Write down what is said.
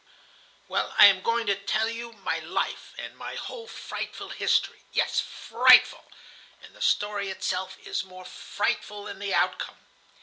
"Well, I am going then to tell you my life, and my whole frightful history,—yes, frightful. And the story itself is more frightful than the outcome."